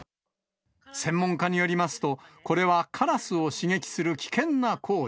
専門家によりますと、これはカラスを刺激する危険な行為。